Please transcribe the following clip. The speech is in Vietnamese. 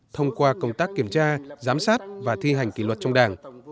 thông qua công tác kiểm tra giám sát và thi hành kỷ luật trong đảng